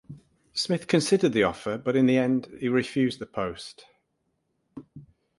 Smith considered the offer, but in the end, he refused the post.